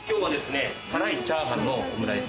辛いチャーハンのオムライス。